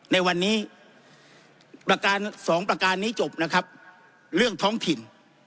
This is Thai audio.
ในวันนี้ประการสองประการนี้จบนะครับเรื่องท้องถิ่น